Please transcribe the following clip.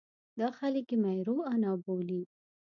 دا خلک یې مېروانا بولي.